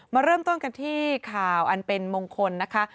มาเริ่มต้นกันที่ข่าวอันเป็นมงคลนะคะ